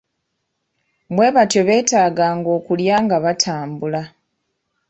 Bwe batyo beetaaganga okulya nga batambula.